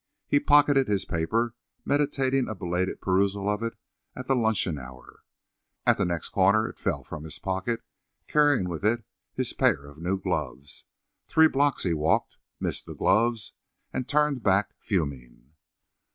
He pocketed his paper, meditating a belated perusal of it at the luncheon hour. At the next corner it fell from his pocket, carrying with it his pair of new gloves. Three blocks he walked, missed the gloves and turned back fuming.